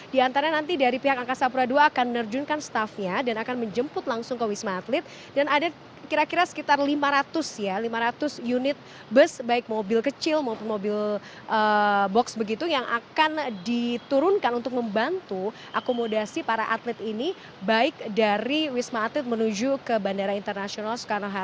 di antara nanti dari pihak angkasa pura dua akan menerjunkan staffnya dan akan menjemput langsung ke wisma atlet dan ada kira kira sekitar lima ratus unit bus baik mobil kecil maupun mobil box begitu yang akan diturunkan untuk membantu akomodasi para atlet ini baik dari wisma atlet menuju ke bandara internasional